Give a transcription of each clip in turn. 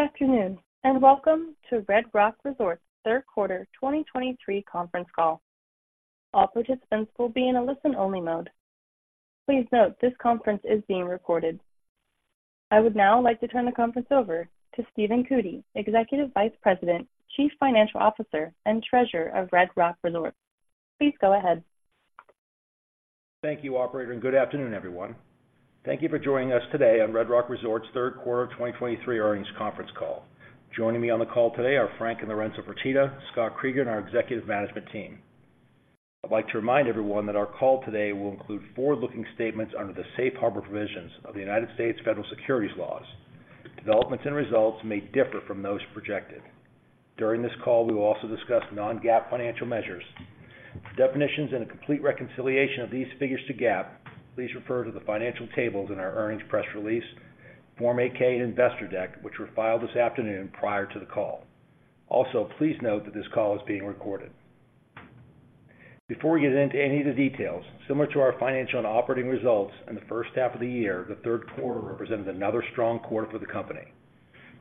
Good afternoon, and welcome to Red Rock Resorts' third quarter 2023 conference call. All participants will be in a listen-only mode. Please note, this conference is being recorded. I would now like to turn the conference over to Stephen Cootey, Executive Vice President, Chief Financial Officer, and Treasurer of Red Rock Resorts. Please go ahead. Thank you, operator, and good afternoon, everyone. Thank you for joining us today on Red Rock Resorts third quarter 2023 earnings conference call. Joining me on the call today are Frank and Lorenzo Fertitta, Scott Kreeger, and our executive management team. I'd like to remind everyone that our call today will include forward-looking statements under the safe harbor provisions of the United States federal securities laws. Developments and results may differ from those projected. During this call, we will also discuss non-GAAP financial measures. For definitions and a complete reconciliation of these figures to GAAP, please refer to the financial tables in our earnings press release, Form 8-K, and investor deck, which were filed this afternoon prior to the call. Also, please note that this call is being recorded. Before we get into any of the details, similar to our financial and operating results in the first half of the year, the third quarter represented another strong quarter for the company.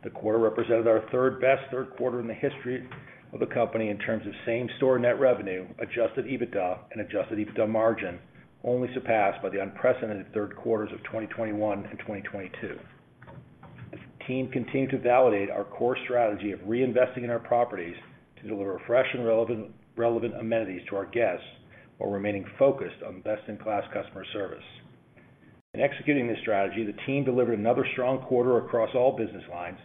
The quarter represented our third-best third quarter in the history of the company in terms of same-store net revenue, adjusted EBITDA, and adjusted EBITDA margin, only surpassed by the unprecedented third quarters of 2021 and 2022. The team continued to validate our core strategy of reinvesting in our properties to deliver fresh and relevant, relevant amenities to our guests, while remaining focused on best-in-class customer service. In executing this strategy, the team delivered another strong quarter across all business lines,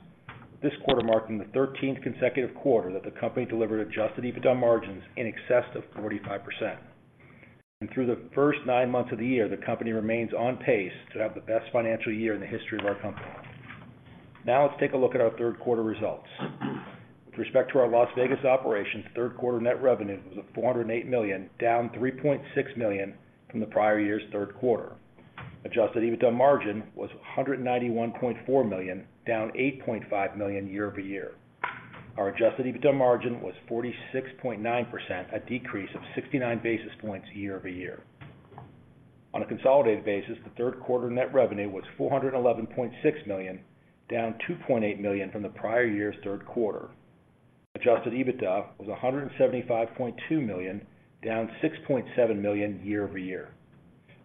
this quarter marking the 13th consecutive quarter that the company delivered adjusted EBITDA margins in excess of 45%. Through the first nine months of the year, the company remains on pace to have the best financial year in the history of our company. Now, let's take a look at our third quarter results. With respect to our Las Vegas operations, third quarter net revenue was at $408 million, down $3.6 million from the prior year's third quarter. Adjusted EBITDA margin was $191.4 million, down $8.5 million year-over-year. Our adjusted EBITDA margin was 46.9%, a decrease of 69 basis points year-over-year. On a consolidated basis, the third quarter net revenue was $411.6 million, down $2.8 million from the prior year's third quarter. Adjusted EBITDA was $175.2 million, down $6.7 million year-over-year.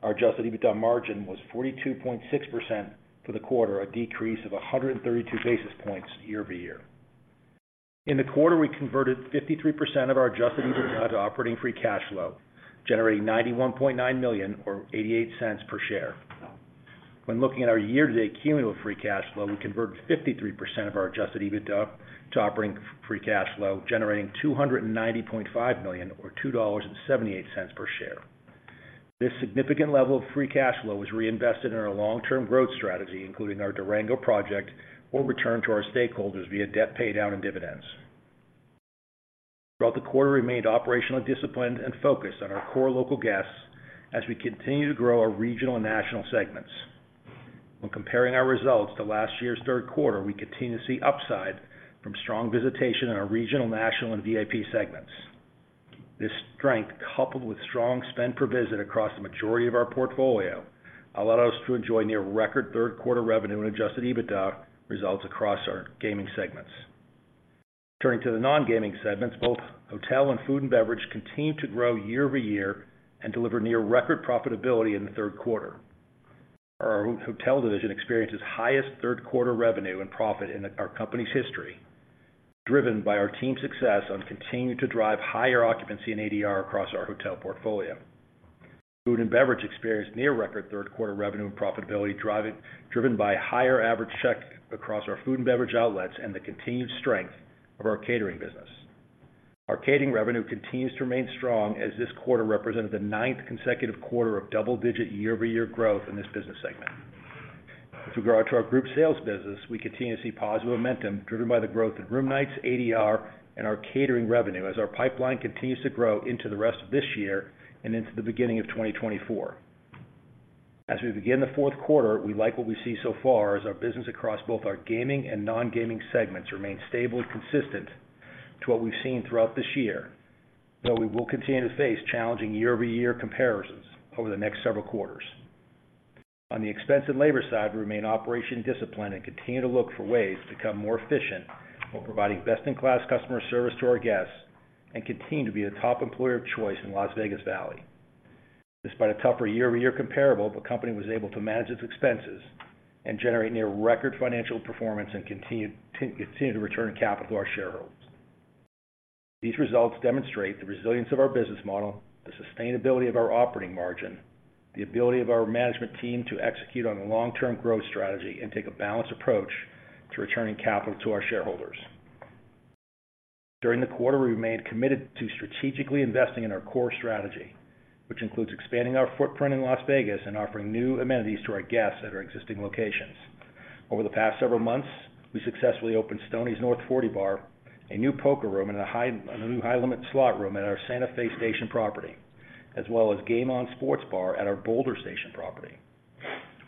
Our adjusted EBITDA margin was 42.6% for the quarter, a decrease of 132 basis points year-over-year. In the quarter, we converted 53% of our adjusted EBITDA to operating free cash flow, generating $91.9 million or $0.88 per share. When looking at our year-to-date cumulative free cash flow, we converted 53% of our adjusted EBITDA to operating free cash flow, generating $290.5 million or $2.78 per share. This significant level of free cash flow was reinvested in our long-term growth strategy, including our Durango project, or returned to our stakeholders via debt paydown and dividends. Throughout the quarter, we remained operationally disciplined and focused on our core local guests as we continue to grow our regional and national segments. When comparing our results to last year's third quarter, we continue to see upside from strong visitation in our regional, national, and VIP segments. This strength, coupled with strong spend per visit across the majority of our portfolio, allowed us to enjoy near-record third quarter revenue and adjusted EBITDA results across our gaming segments. Turning to the non-gaming segments, both hotel and food and beverage continued to grow year-over-year and delivered near-record profitability in the third quarter. Our hotel division experienced its highest third quarter revenue and profit in our company's history, driven by our team's success on continuing to drive higher occupancy and ADR across our hotel portfolio. Food and beverage experienced near-record third quarter revenue and profitability, driven by higher average check across our food and beverage outlets and the continued strength of our catering business. Our catering revenue continues to remain strong, as this quarter represented the ninth consecutive quarter of double-digit year-over-year growth in this business segment. As we go out to our group sales business, we continue to see positive momentum, driven by the growth in room nights, ADR, and our catering revenue, as our pipeline continues to grow into the rest of this year and into the beginning of 2024. As we begin the fourth quarter, we like what we see so far, as our business across both our gaming and non-gaming segments remains stable and consistent to what we've seen throughout this year, though we will continue to face challenging year-over-year comparisons over the next several quarters. On the expense and labor side, we remain operationally disciplined and continue to look for ways to become more efficient while providing best-in-class customer service to our guests and continue to be the top employer of choice in Las Vegas Valley. Despite a tougher year-over-year comparable, the company was able to manage its expenses and generate near-record financial performance and continue to return capital to our shareholders. These results demonstrate the resilience of our business model, the sustainability of our operating margin, the ability of our management team to execute on a long-term growth strategy, and take a balanced approach to returning capital to our shareholders. During the quarter, we remained committed to strategically investing in our core strategy, which includes expanding our footprint in Las Vegas and offering new amenities to our guests at our existing locations. Over the past several months, we successfully opened Stoney's North Forty Bar, a new poker room, and a new high-limit slot room at our Santa Fe Station property, as well as Game On Sports Bar at our Boulder Station property.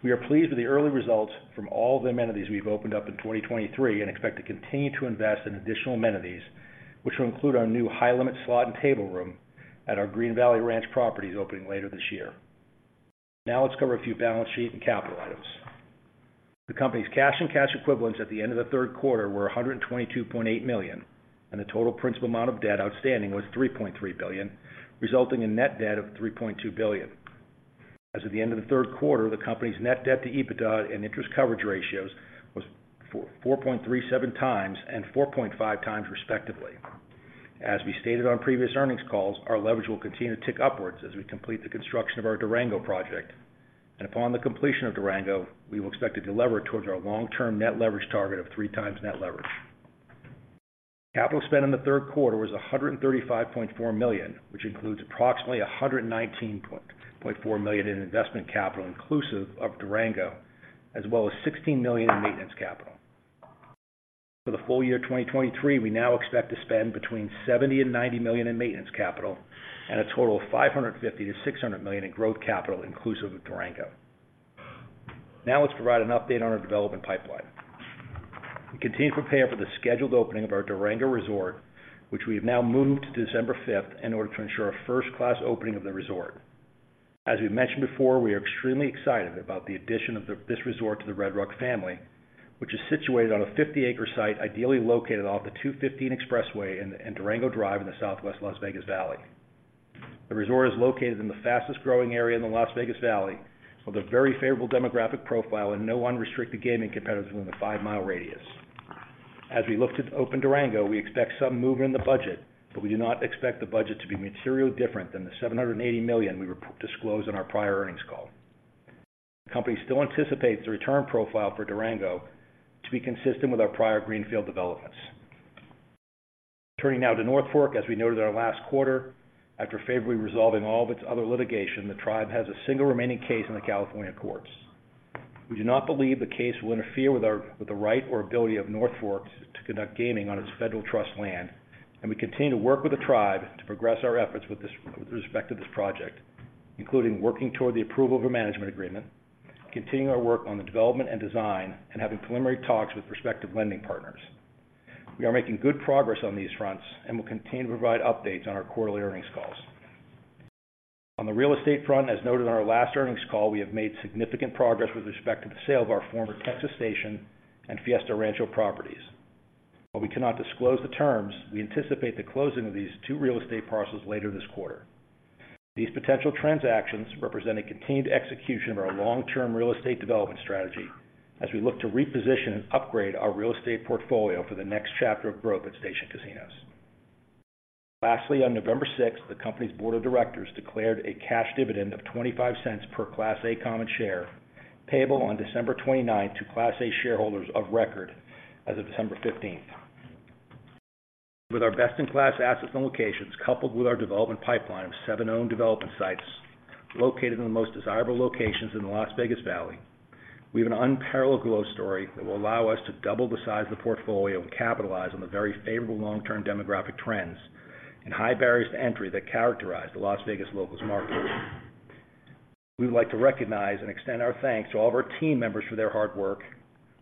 We are pleased with the early results from all the amenities we've opened up in 2023 and expect to continue to invest in additional amenities, which will include our new high-limit slot and table room at our Green Valley Ranch properties opening later this year. Now let's cover a few balance sheet and capital items. The company's cash and cash equivalents at the end of the third quarter were $122.8 million, and the total principal amount of debt outstanding was $3.3 billion, resulting in net debt of $3.2 billion. As of the end of the third quarter, the company's net debt to EBITDA and interest coverage ratios was 4, 4.37x and 4.5x, respectively. As we stated on previous earnings calls, our leverage will continue to tick upwards as we complete the construction of our Durango project, and upon the completion of Durango, we will expect to delever towards our long-term net leverage target of 3 times net leverage. Capital spend in the third quarter was $135.4 million, which includes approximately $119.4 million in investment capital, inclusive of Durango, as well as $16 million in maintenance capital. For the full year 2023, we now expect to spend between $70 million-$90 million in maintenance capital and a total of $550 million-$600 million in growth capital, inclusive of Durango. Now, let's provide an update on our development pipeline. We continue to prepare for the scheduled opening of our Durango resort, which we have now moved to December fifth, in order to ensure a first-class opening of the resort. As we've mentioned before, we are extremely excited about the addition of this resort to the Red Rock family, which is situated on a 50-acre site, ideally located off the 215 Expressway in Durango Drive in the southwest Las Vegas Valley. The resort is located in the fastest-growing area in the Las Vegas Valley, with a very favorable demographic profile and no unrestricted gaming competitors within a 5-mile radius. As we look to open Durango, we expect some movement in the budget, but we do not expect the budget to be materially different than the $780 million we re-disclosed on our prior earnings call. The company still anticipates the return profile for Durango to be consistent with our prior greenfield developments. Turning now to North Fork. As we noted in our last quarter, after favorably resolving all of its other litigation, the tribe has a single remaining case in the California courts. We do not believe the case will interfere with the right or ability of North Fork to conduct gaming on its federal trust land, and we continue to work with the tribe to progress our efforts with respect to this project, including working toward the approval of a management agreement, continuing our work on the development and design, and having preliminary talks with prospective lending partners. We are making good progress on these fronts and will continue to provide updates on our quarterly earnings calls. On the real estate front, as noted on our last earnings call, we have made significant progress with respect to the sale of our former Texas Station and Fiesta Rancho properties. While we cannot disclose the terms, we anticipate the closing of these two real estate parcels later this quarter. These potential transactions represent a continued execution of our long-term real estate development strategy, as we look to reposition and upgrade our real estate portfolio for the next chapter of growth at Station Casinos. Lastly, on November sixth, the company's board of directors declared a cash dividend of $0.25 per Class A common share, payable on December twenty-ninth to Class A shareholders of record as of December fifteenth. With our best-in-class assets and locations, coupled with our development pipeline of seven owned development sites located in the most desirable locations in the Las Vegas Valley, we have an unparalleled growth story that will allow us to double the size of the portfolio and capitalize on the very favorable long-term demographic trends and high barriers to entry that characterize the Las Vegas locals market. We would like to recognize and extend our thanks to all of our team members for their hard work.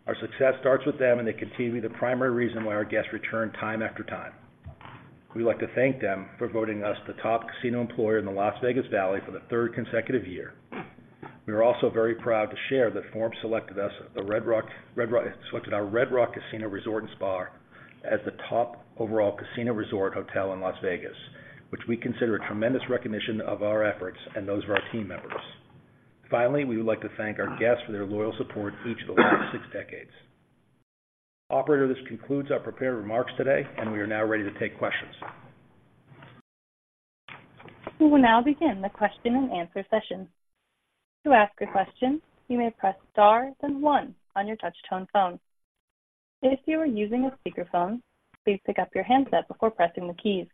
Our success starts with them, and they continue to be the primary reason why our guests return time after time. We'd like to thank them for voting us the top casino employer in the Las Vegas Valley for the third consecutive year. We are also very proud to share that Forbes selected our Red Rock Casino Resort and Spa as the top overall casino resort hotel in Las Vegas, which we consider a tremendous recognition of our efforts and those of our team members. Finally, we would like to thank our guests for their loyal support each of the last six decades. Operator, this concludes our prepared remarks today, and we are now ready to take questions. We will now begin the question-and-answer session. To ask a question, you may press star, then one on your touchtone phone. If you are using a speakerphone, please pick up your handset before pressing the keys.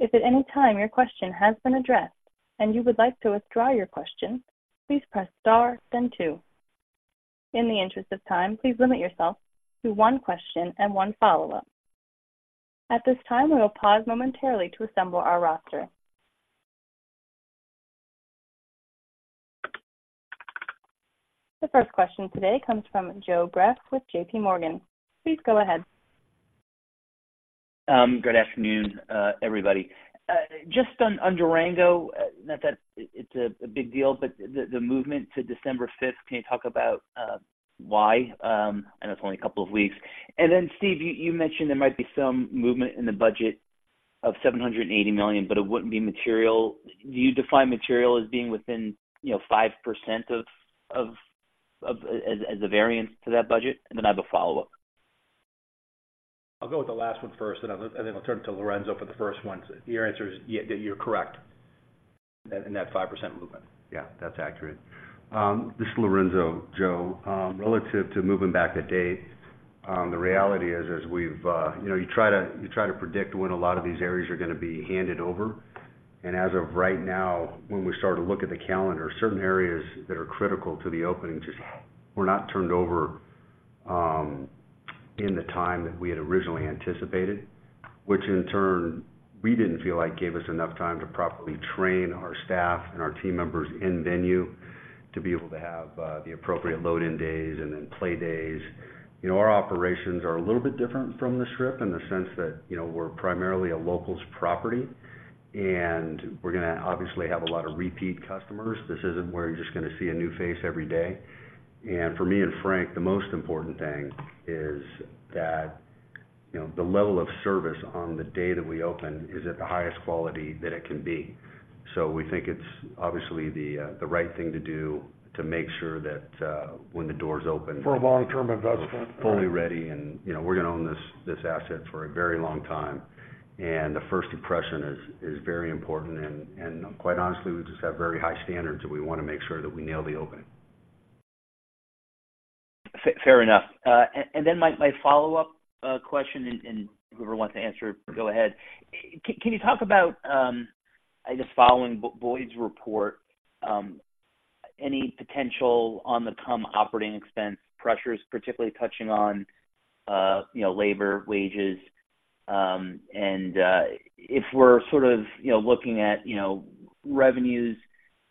If at any time your question has been addressed and you would like to withdraw your question, please press star, then two. In the interest of time, please limit yourself to one question and one follow-up. At this time, we will pause momentarily to assemble our roster. The first question today comes from Joe Greff with JPMorgan. Please go ahead. Good afternoon, everybody. Just on Durango, not that it's a big deal, but the movement to December 5th, can you talk about why? I know it's only a couple of weeks. Then, Steve, you mentioned there might be some movement in the budget of $780 million, but it wouldn't be material. Do you define material as being within, you know, 5% as a variance to that budget? Then I have a follow-up. I'll go with the last one first, and then, and then I'll turn it to Lorenzo for the first one. So your answer is yeah, you're correct. In that 5% movement. Yeah, that's accurate. This is Lorenzo, Joe. Relative to moving back the date, the reality is, as we've, you know, you try to, you try to predict when a lot of these areas are going to be handed over. And as of right now, when we start to look at the calendar, certain areas that are critical to the opening just were not turned over in the time that we had originally anticipated, which in turn, we didn't feel like gave us enough time to properly train our staff and our team members in venue to be able to have the appropriate load-in days and then play days. You know, our operations are a little bit different from the Strip in the sense that, you know, we're primarily a locals property, and we're gonna obviously have a lot of repeat customers. This isn't where you're just gonna see a new face every day. And for me and Frank, the most important thing is that, you know, the level of service on the day that we open is at the highest quality that it can be. So we think it's obviously the right thing to do to make sure that when the doors open- For a long-term investment. We're fully ready and, you know, we're gonna own this asset for a very long time, and the first impression is very important. And quite honestly, we just have very high standards, so we wanna make sure that we nail the opening. Fair enough. And, and then my, my follow-up question, and, and whoever wants to answer it, go ahead. Can you talk about, I guess following Boyd's report, any potential on the come operating expense pressures, particularly touching on, you know, labor, wages? And, if we're sort of, you know, looking at, you know, revenues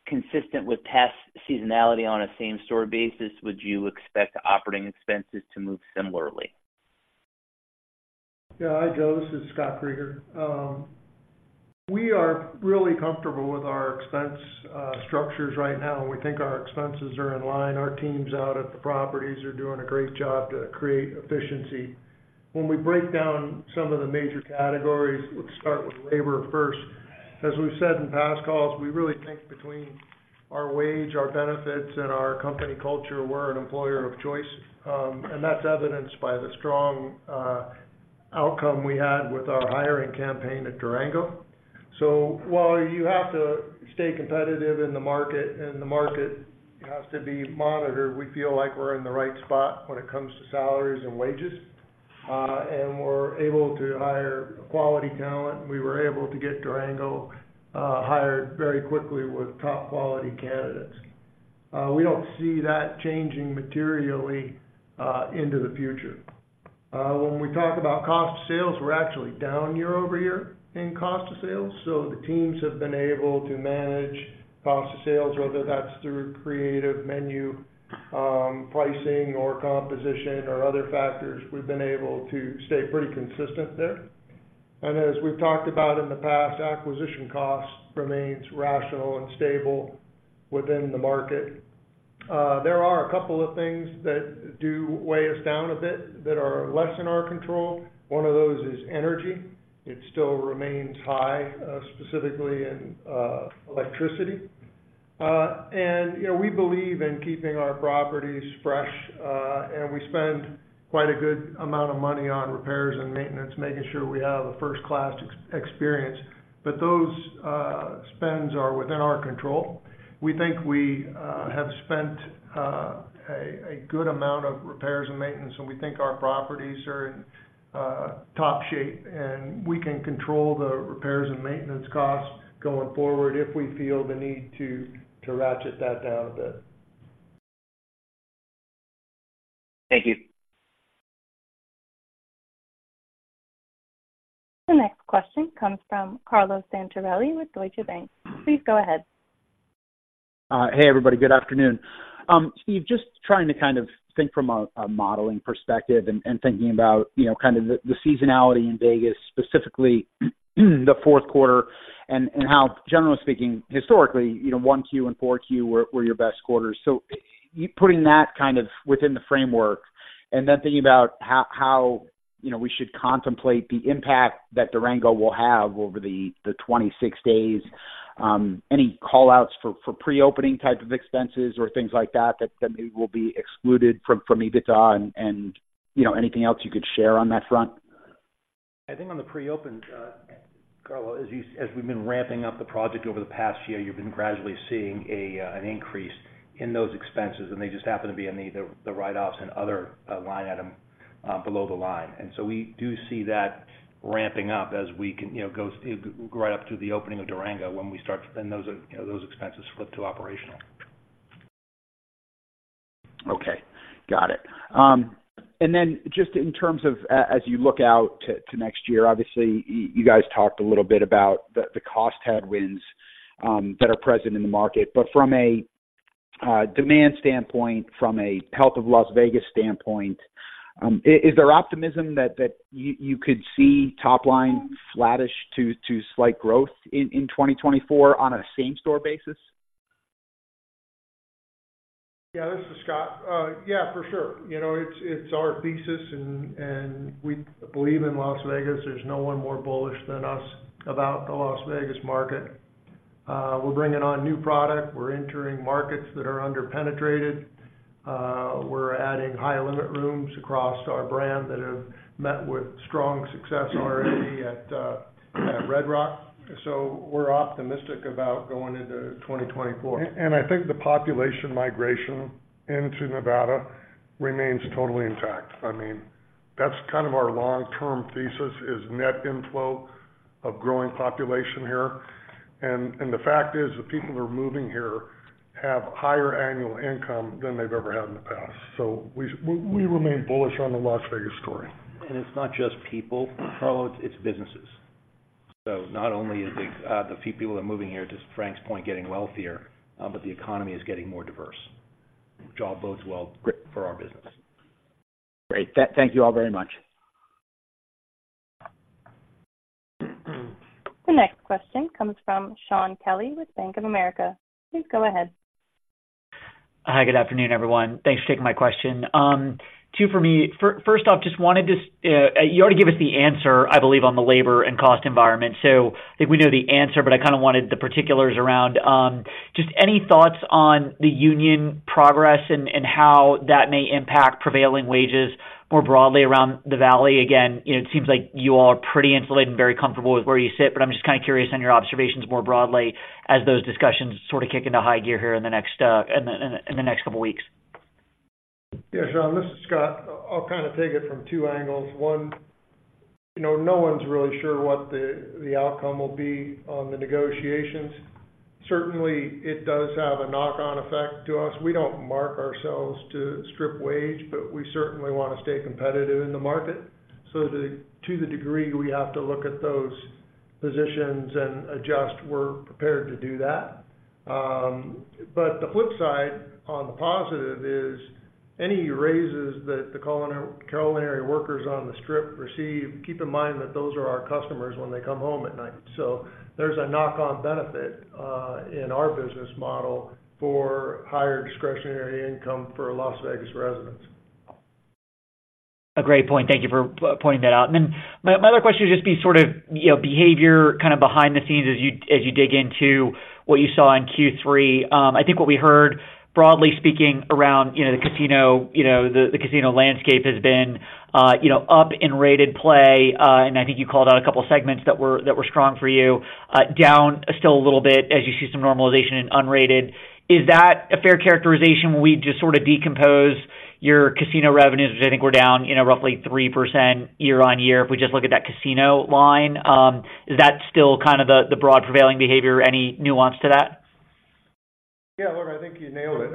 consistent with past seasonality on a same-store basis, would you expect operating expenses to move similarly? Yeah. Hi, Joe. This is Scott Kreeger. We are really comfortable with our expense structures right now, and we think our expenses are in line. Our teams out at the properties are doing a great job to create efficiency. When we break down some of the major categories, let's start with labor first. As we've said in past calls, we really think between our wage, our benefits, and our company culture, we're an employer of choice. And that's evidenced by the strong outcome we had with our hiring campaign at Durango. So while you have to stay competitive in the market, and the market has to be monitored, we feel like we're in the right spot when it comes to salaries and wages. And we're able to hire quality talent. We were able to get Durango hired very quickly with top-quality candidates. We don't see that changing materially into the future. When we talk about cost of sales, we're actually down year-over-year in cost of sales, so the teams have been able to manage cost of sales, whether that's through creative menu pricing or composition or other factors. We've been able to stay pretty consistent there. And as we've talked about in the past, acquisition costs remains rational and stable within the market. There are a couple of things that do weigh us down a bit, that are less in our control. One of those is energy. It still remains high, specifically in electricity. And, you know, we believe in keeping our properties fresh, and we spend quite a good amount of money on repairs and maintenance, making sure we have a first-class experience. But those spends are within our control. We think we have spent a good amount of repairs and maintenance, and we think our properties are in top shape, and we can control the repairs and maintenance costs going forward if we feel the need to ratchet that down a bit. Thank you. The next question comes from Carlo Santarelli with Deutsche Bank. Please go ahead. Hey, everybody. Good afternoon. Steve, just trying to kind of think from a modeling perspective and thinking about, you know, kind of the seasonality in Vegas, specifically, the fourth quarter, and how, generally speaking, historically, you know, 1Q and 4Q were your best quarters. So putting that kind of within the framework, and then thinking about how, you know, we should contemplate the impact that Durango will have over the 26 days, any call-outs for pre-opening type of expenses or things like that that maybe will be excluded from EBITDA and, you know, anything else you could share on that front? I think on the pre-open, Carlo, as you—as we've been ramping up the project over the past year, you've been gradually seeing a, an increase in those expenses, and they just happen to be in the, the write-offs and other, line item, below the line. And so we do see that ramping up as we can, you know, go right up to the opening of Durango, when we start to... Then those, you know, those expenses flip to operational. Okay, got it. And then just in terms of as you look out to next year, obviously, you guys talked a little bit about the cost headwinds that are present in the market. But from a demand standpoint, from a health of Las Vegas standpoint, is there optimism that you could see top line flattish to slight growth in 2024 on a same-store basis? Yeah, this is Scott. Yeah, for sure. You know, it's our thesis, and we believe in Las Vegas. There's no one more bullish than us about the Las Vegas market. We're bringing on new product. We're entering markets that are under-penetrated. We're adding high-limit rooms across our brand that have met with strong success already at Red Rock. So we're optimistic about going into 2024. I think the population migration into Nevada remains totally intact. I mean, that's kind of our long-term thesis, is net inflow of growing population here. The fact is, the people who are moving here have higher annual income than they've ever had in the past. So we remain bullish on the Las Vegas story. It's not just people, Carlo, it's businesses. ... So not only is the people that are moving here, to Frank's point, getting wealthier, but the economy is getting more diverse, which all bodes well for our business. Great. Thank you all very much. The next question comes from Shawn Kelly with Bank of America. Please go ahead. Hi, good afternoon, everyone. Thanks for taking my question. Two for me. First off, just wanted to, you already gave us the answer, I believe, on the labor and cost environment, so I think we know the answer, but I kind of wanted the particulars around, just any thoughts on the union progress and how that may impact prevailing wages more broadly around the valley? Again, you know, it seems like you all are pretty insulated and very comfortable with where you sit, but I'm just kind of curious on your observations more broadly as those discussions sort of kick into high gear here in the next couple of weeks. Yeah, Sean, this is Scott. I'll kind of take it from two angles. One, you know, no one's really sure what the outcome will be on the negotiations. Certainly, it does have a knock-on effect to us. We don't mark ourselves to Strip wage, but we certainly want to stay competitive in the market. So to the degree we have to look at those positions and adjust, we're prepared to do that. But the flip side, on the positive, is any raises that the culinary workers on the Strip receive, keep in mind that those are our customers when they come home at night. So there's a knock-on benefit in our business model for higher discretionary income for Las Vegas residents. A great point. Thank you for pointing that out. And then my, my other question would just be sort of, you know, behavior kind of behind the scenes as you, as you dig into what you saw in Q3. I think what we heard, broadly speaking, around, you know, the casino, you know, the, the casino landscape has been, you know, up in rated play, and I think you called out a couple of segments that were, that were strong for you, down still a little bit as you see some normalization in unrated. Is that a fair characterization when we just sort of decompose your casino revenues, which I think were down, you know, roughly 3% year-on-year, if we just look at that casino line? Is that still kind of the, the broad prevailing behavior? Any nuance to that? Yeah, look, I think you nailed it.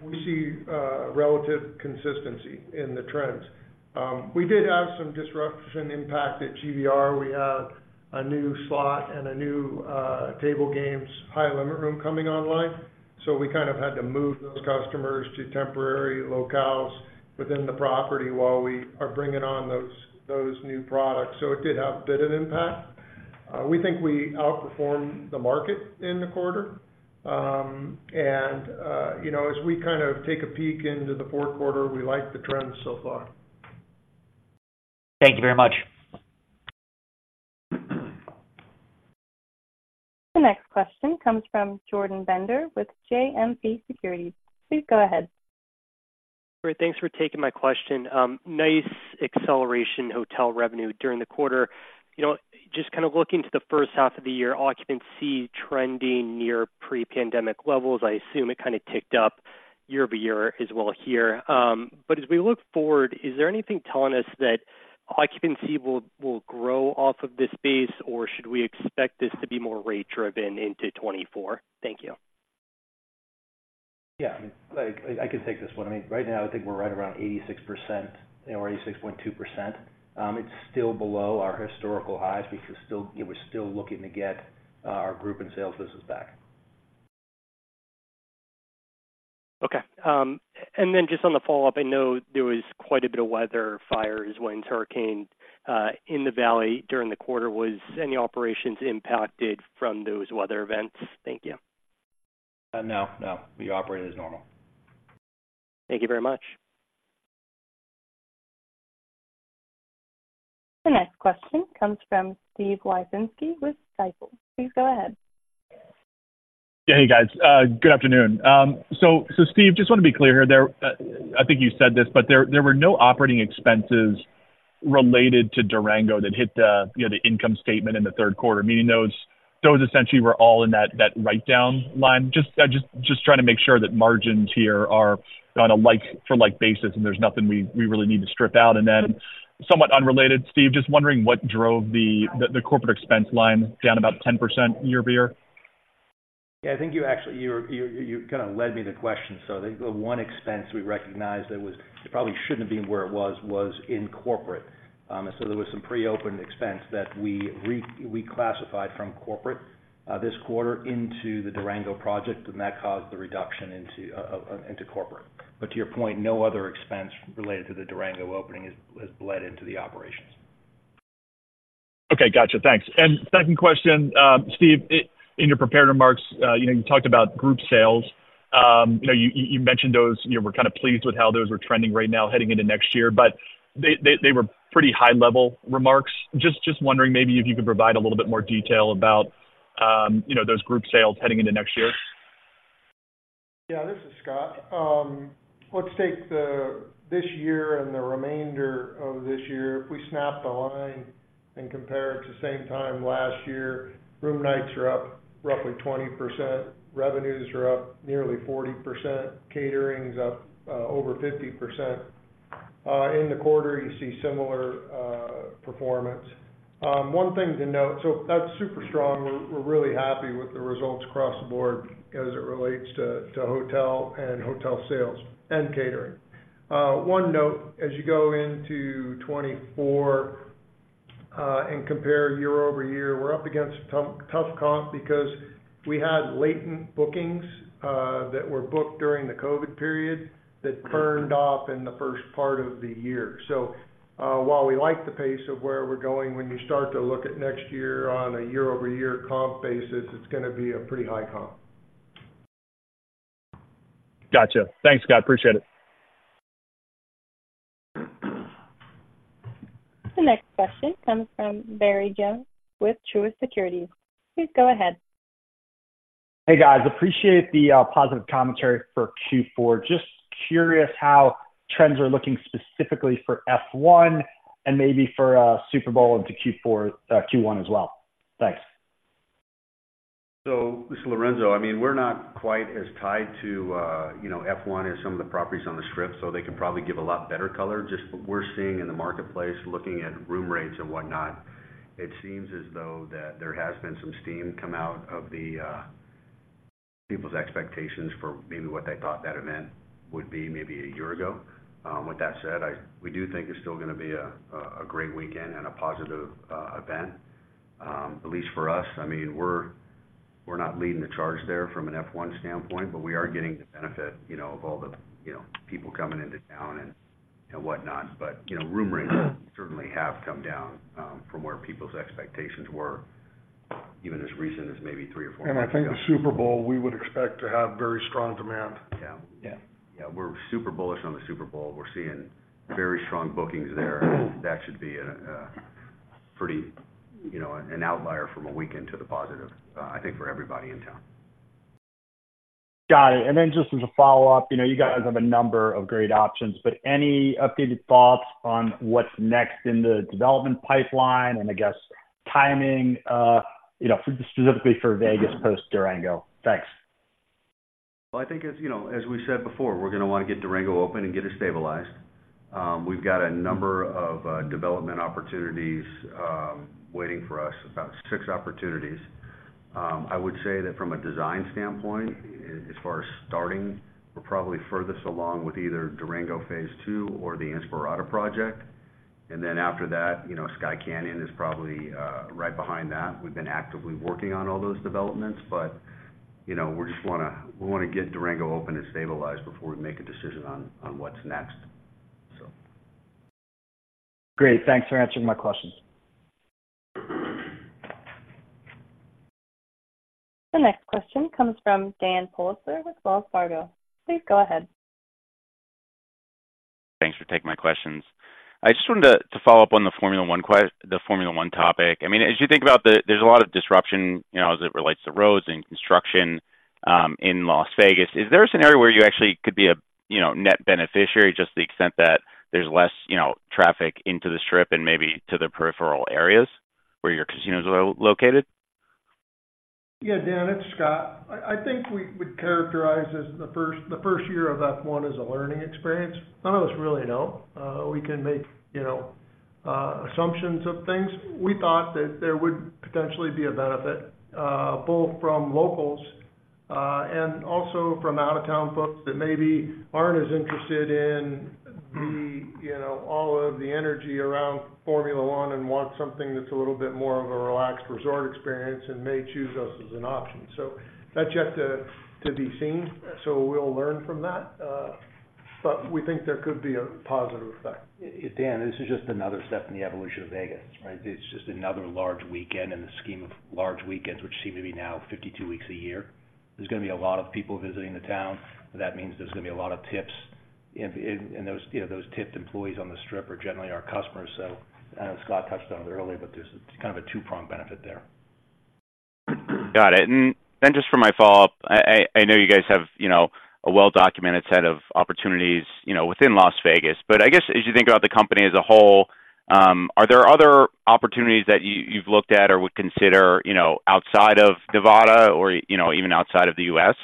We see relative consistency in the trends. We did have some disruption impact at GVR. We have a new slot and a new table games high limit room coming online. So we kind of had to move those customers to temporary locales within the property while we are bringing on those new products. So it did have a bit of impact. We think we outperformed the market in the quarter. And you know, as we kind of take a peek into the fourth quarter, we like the trends so far. Thank you very much. The next question comes from Jordan Bender with JMP Securities. Please go ahead. Great. Thanks for taking my question. Nice acceleration hotel revenue during the quarter. You know, just kind of looking to the first half of the year, occupancy trending near pre-pandemic levels, I assume it kind of ticked up year-over-year as well here. But as we look forward, is there anything telling us that occupancy will grow off of this base, or should we expect this to be more rate driven into 2024? Thank you. Yeah, I can take this one. I mean, right now, I think we're right around 86% or 86.2%. It's still below our historical highs. We're still looking to get our group and sales business back. Okay, and then just on the follow-up, I know there was quite a bit of weather, fires, wind, hurricane, in the valley during the quarter. Was any operations impacted from those weather events? Thank you. No, no. We operated as normal. Thank you very much. The next question comes from Steve Wieczynski with Stifel. Please go ahead. Yeah. Hey, guys, good afternoon. So, Steve, just want to be clear here. There, I think you said this, but there were no operating expenses related to Durango that hit the, you know, the income statement in the third quarter, meaning those essentially were all in that write-down line? Just trying to make sure that margins here are on a like, for like basis, and there's nothing we really need to strip out. And then, somewhat unrelated, Steve, just wondering what drove the corporate expense line down about 10% year-over-year? Yeah, I think you actually, you kind of led me to the question. So the one expense we recognized that was it probably shouldn't have been where it was, was in corporate. So there was some pre-opening expense that we reclassified from corporate this quarter into the Durango project, and that caused the reduction into corporate. But to your point, no other expense related to the Durango opening has bled into the operations. Okay, gotcha. Thanks. Second question, Steve, in your prepared remarks, you know, you talked about group sales. You know, you mentioned those. You were kind of pleased with how those were trending right now heading into next year, but they were pretty high-level remarks. Just wondering maybe if you could provide a little bit more detail about, you know, those group sales heading into next year. Yeah, this is Scott. Let's take this year and the remainder of this year. If we snap the line and compare it to same time last year, room nights are up roughly 20%, revenues are up nearly 40%, catering is up over 50%. In the quarter, you see similar performance. One thing to note. So that's super strong. We're really happy with the results across the board as it relates to hotel and hotel sales and catering. One note, as you go into 2024 and compare year-over-year, we're up against some tough comps because we had latent bookings that were booked during the COVID period that burned off in the first part of the year. So, while we like the pace of where we're going, when you start to look at next year on a year-over-year comp basis, it's gonna be a pretty high comp. Gotcha. Thanks, Scott. Appreciate it. The next question comes from Barry Jonas with Truist Securities. Please go ahead. Hey, guys. Appreciate the positive commentary for Q4. Just curious how trends are looking specifically for F1 and maybe for Super Bowl into Q4, Q1 as well? Thanks. So this is Lorenzo. I mean, we're not quite as tied to, you know, F1 as some of the properties on the Strip, so they can probably give a lot better color. Just what we're seeing in the marketplace, looking at room rates and whatnot, it seems as though that there has been some steam come out of the, people's expectations for maybe what they thought that event would be maybe a year ago. With that said, we do think it's still gonna be a great weekend and a positive event, at least for us. I mean, we're not leading the charge there from an F1 standpoint, but we are getting the benefit, you know, of all the, you know, people coming into town and whatnot. You know, room rates certainly have come down from where people's expectations were, even as recent as maybe three or four months ago. I think the Super Bowl, we would expect to have very strong demand. Yeah. Yeah. Yeah, we're super bullish on the Super Bowl. We're seeing very strong bookings there. That should be a pretty, you know, an outlier from a weekend to the positive, I think for everybody in town. Got it. And then just as a follow-up, you know, you guys have a number of great options, but any updated thoughts on what's next in the development pipeline and I guess timing, you know, specifically for Vegas post Durango? Thanks. Well, I think as, you know, as we said before, we're gonna want to get Durango open and get it stabilized. We've got a number of development opportunities waiting for us, about six opportunities. I would say that from a design standpoint, as far as starting, we're probably furthest along with either Durango Phase Two or the Inspirada project. And then after that, you know, Skye Canyon is probably right behind that. We've been actively working on all those developments, but, you know, we just wanna get Durango open and stabilized before we make a decision on what's next, so. Great. Thanks for answering my questions. The next question comes from Dan Politzer with Wells Fargo. Please go ahead. Thanks for taking my questions. I just wanted to follow up on the Formula One topic. I mean, as you think about the, there's a lot of disruption, you know, as it relates to roads and construction in Las Vegas. Is there a scenario where you actually could be a net beneficiary, just to the extent that there's less, you know, traffic into the Strip and maybe to the peripheral areas where your casinos are located? Yeah, Dan, it's Scott. I think we would characterize the first year of F1 as a learning experience. None of us really know. We can make, you know, assumptions of things. We thought that there would potentially be a benefit both from locals and also from out-of-town folks that maybe aren't as interested in the, you know, all of the energy around Formula One and want something that's a little bit more of a relaxed resort experience and may choose us as an option. So that's yet to be seen, so we'll learn from that. But we think there could be a positive effect. Dan, this is just another step in the evolution of Vegas, right? It's just another large weekend in the scheme of large weekends, which seem to be now 52 weeks a year. There's gonna be a lot of people visiting the town. That means there's gonna be a lot of tips. And those, you know, those tipped employees on the Strip are generally our customers. So, Scott touched on it earlier, but there's kind of a two-pronged benefit there. Got it. And then just for my follow-up, I know you guys have, you know, a well-documented set of opportunities, you know, within Las Vegas. But I guess as you think about the company as a whole, are there other opportunities that you, you've looked at or would consider, you know, outside of Nevada or, you know, even outside of the U.S.?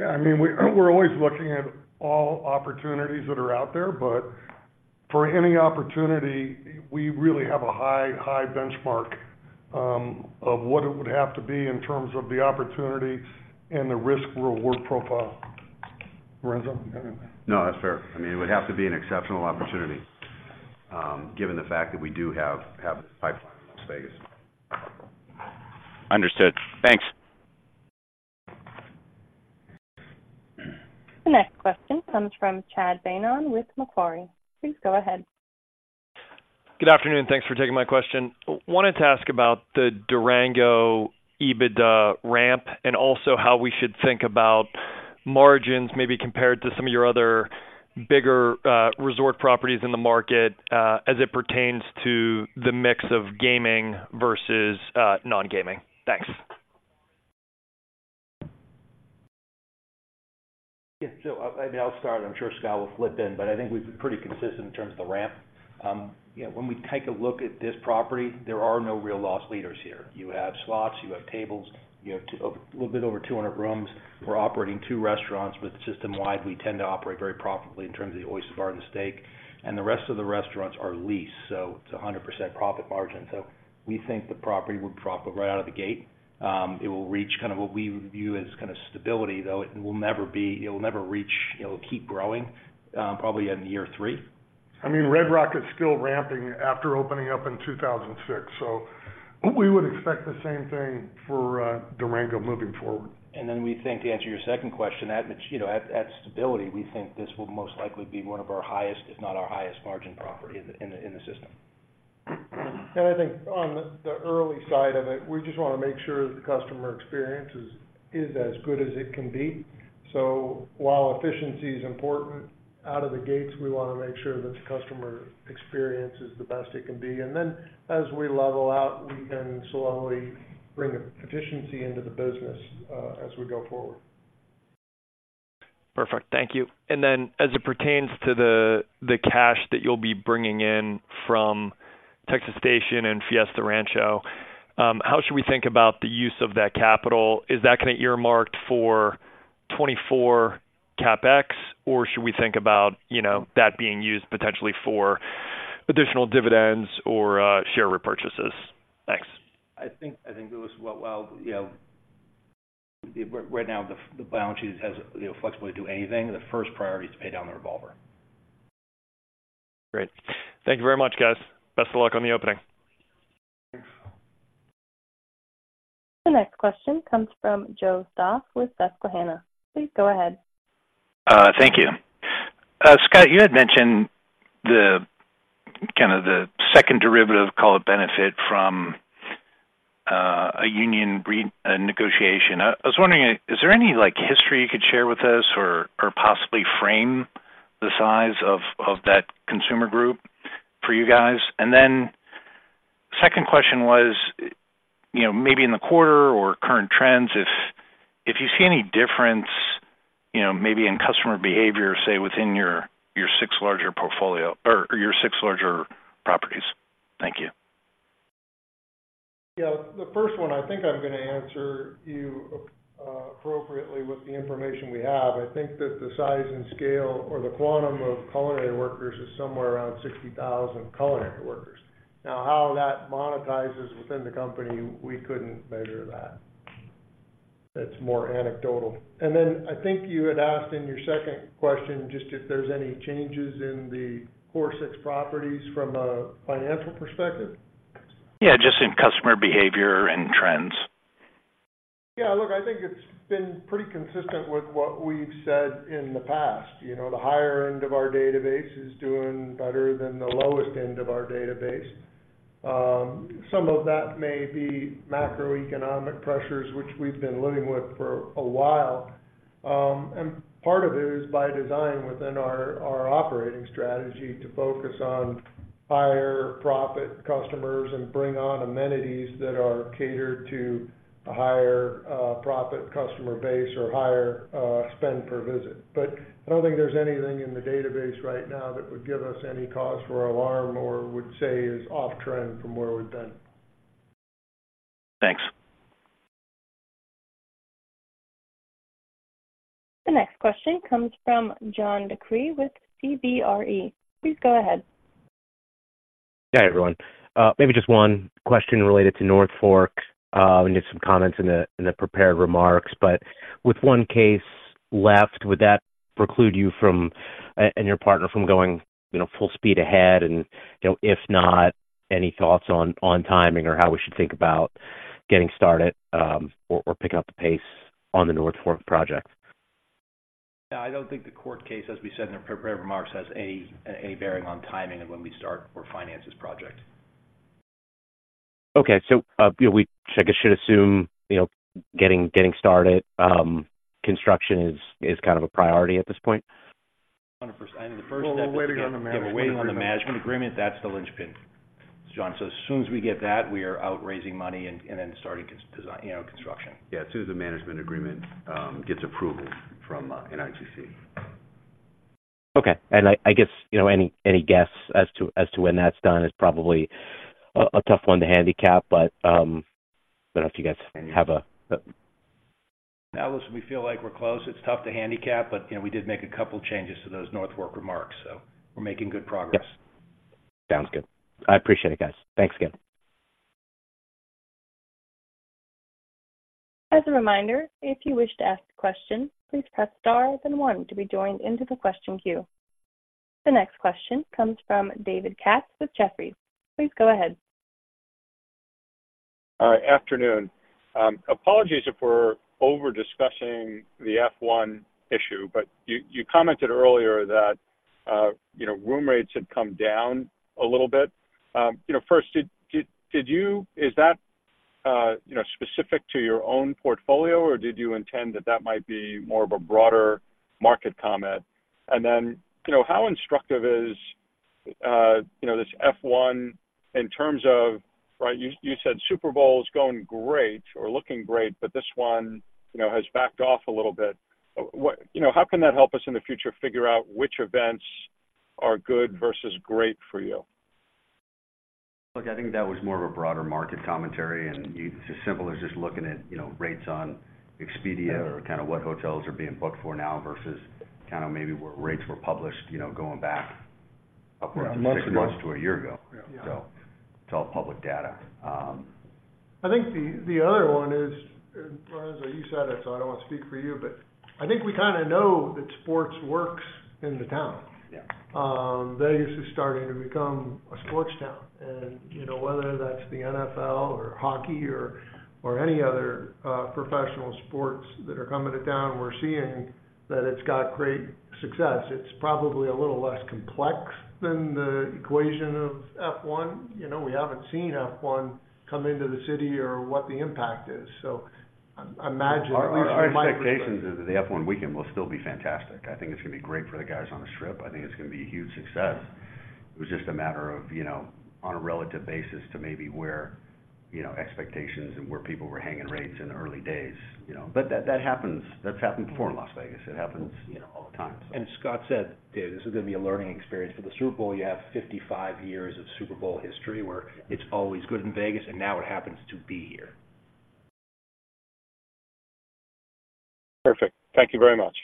Yeah, I mean, we're always looking at all opportunities that are out there, but for any opportunity, we really have a high, high benchmark of what it would have to be in terms of the opportunity and the risk-reward profile. Lorenzo? No, that's fair. I mean, it would have to be an exceptional opportunity, given the fact that we do have a pipeline in Las Vegas. Understood. Thanks. The next question comes from Chad Beynon with Macquarie. Please go ahead. Good afternoon. Thanks for taking my question. Wanted to ask about the Durango EBITDA ramp and also how we should think about margins, maybe compared to some of your other bigger, resort properties in the market, as it pertains to the mix of gaming versus, non-gaming? Thanks. Yeah. So, I mean, I'll start. I'm sure Scott will flip in, but I think we've been pretty consistent in terms of the ramp. You know, when we take a look at this property, there are no real loss leaders here. You have slots, you have tables, you have two, a little bit over 200 rooms. We're operating two restaurants, but system-wide, we tend to operate very profitably in terms of the Oyster Bar and the Steak, and the rest of the restaurants are leased, so it's a 100% profit margin. So we think the property would profit right out of the gate. It will reach kind of what we view as kind of stability, though it will never be, it will never reach... It'll keep growing, probably in year three.... I mean, Red Rock's still ramping after opening up in 2006. So we would expect the same thing for Durango moving forward. And then we think, to answer your second question, at stability, you know, we think this will most likely be one of our highest, if not our highest margin property in the system. I think on the early side of it, we just wanna make sure that the customer experience is as good as it can be. So while efficiency is important, out of the gates, we wanna make sure that the customer experience is the best it can be. And then as we level out, we can slowly bring efficiency into the business, as we go forward. Perfect. Thank you. And then as it pertains to the cash that you'll be bringing in from Texas Station and Fiesta Rancho, how should we think about the use of that capital? Is that kind of earmarked for 24 CapEx, or should we think about, you know, that being used potentially for additional dividends or share repurchases? Thanks. I think, to us, well, you know, right now, the balance sheet has, you know, flexibility to do anything. The first priority is to pay down the revolver. Great. Thank you very much, guys. Best of luck on the opening. The next question comes from Joe Stauff with Susquehanna. Please go ahead. Thank you. Scott, you had mentioned the kind of the second derivative call it benefit from a union negotiation. I was wondering, is there any, like, history you could share with us or possibly frame the size of that consumer group for you guys? Then second question was, you know, maybe in the quarter or current trends, if you see any difference, you know, maybe in customer behavior, say, within your six larger portfolio or your six larger properties.? Thank you. Yeah, the first one, I think I'm gonna answer you appropriately with the information we have. I think that the size and scale or the quantum of culinary workers is somewhere around 60,000 culinary workers. Now, how that monetizes within the company, we couldn't measure that. That's more anecdotal. And then I think you had asked in your second question, just if there's any changes in the core six properties from a financial perspective? Yeah, just in customer behavior and trends. Yeah, look, I think it's been pretty consistent with what we've said in the past. You know, the higher end of our database is doing better than the lowest end of our database. Some of that may be macroeconomic pressures, which we've been living with for a while. And part of it is by design, within our, our operating strategy, to focus on higher profit customers and bring on amenities that are catered to a higher, profit customer base or higher, spend per visit. But I don't think there's anything in the database right now that would give us any cause for alarm or would say is off-trend from where we've been. Thanks. The next question comes from John DeCree with CBRE. Please go ahead. Hi, everyone. Maybe just one question related to North Fork, and just some comments in the, in the prepared remarks. But with one case left, would that preclude you from, and your partner from going, you know, full speed ahead? And, you know, if not, any thoughts on, on timing or how we should think about getting started, or, or picking up the pace on the North Fork project? Yeah, I don't think the court case, as we said in the prepared remarks, has any bearing on timing of when we start or finance this project. Okay. So, we, I guess, should assume, you know, getting started, construction is kind of a priority at this point? On the first. I think the first. Well, we're waiting on the management agreement. We're waiting on the management agreement. That's the linchpin, John. So as soon as we get that, we are out raising money and then starting design, you know, construction. Yeah, as soon as the management agreement gets approval from NIGC. Okay. And I guess, you know, any guess as to when that's done is probably a tough one to handicap, but I don't know if you guys have a- Alice, we feel like we're close. It's tough to handicap, but, you know, we did make a couple changes to those North Fork remarks, so we're making good progress. Yep. Sounds good. I appreciate it, guys. Thanks again. As a reminder, if you wish to ask a question, please press Star then One to be joined into the question queue. The next question comes from David Katz with Jefferies. Please go ahead. Afternoon. Apologies if we're over-discussing the F1 issue, but you commented earlier that, you know, room rates had come down a little bit. You know, first, did you-- is that, you know, specific to your own portfolio, or did you intend that that might be more of a broader market comment? And then, you know, how instructive is, you know, this F1 in terms of... Right, you said Super Bowl is going great or looking great, but this one, you know, has backed off a little bit? What-- You know, how can that help us in the future figure out which events are good versus great for you? Look, I think that was more of a broader market commentary, and it's as simple as just looking at, you know, rates on Expedia or kind of what hotels are being booked for now versus kind of maybe what rates were published, you know, going back around six months to a year ago. Yeah. It's all public data. I think the other one is, you said it, so I don't want to speak for you, but I think we kinda know that sports works in the town. Yeah. Vegas is starting to become a sports town, and, you know, whether that's the NFL or hockey or any other professional sports that are coming to town, we're seeing that it's got great success. It's probably a little less complex than the equation of F1. You know, we haven't seen F1 come into the city or what the impact is, so I'm, I imagine at least- Our expectations is that the F1 weekend will still be fantastic. I think it's gonna be great for the guys on the Strip. I think it's gonna be a huge success. It was just a matter of, you know, on a relative basis to maybe where, you know, expectations and where people were hanging rates in the early days, you know. But that happens. That's happened before in Las Vegas. It happens, you know, all the time. And Scott said, David, this is gonna be a learning experience. For the Super Bowl, you have 55 years of Super Bowl history, where it's always good in Vegas, and now it happens to be here. Perfect. Thank you very much.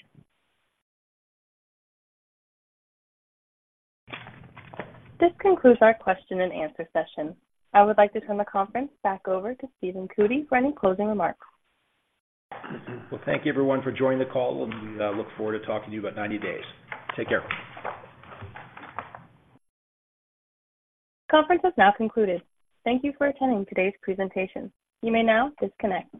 This concludes our question and answer session. I would like to turn the conference back over to Stephen Cootey for any closing remarks. Well, thank you, everyone, for joining the call, and we look forward to talking to you in about 90 days. Take care. Conference is now concluded. Thank you for attending today's presentation. You may now disconnect.